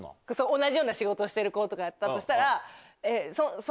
同じような仕事してる子とかやったとしたら。